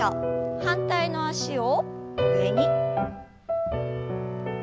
反対の脚を上に。